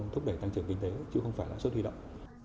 thúc đẩy tăng trưởng kinh tế chứ không phải lãi suất huy động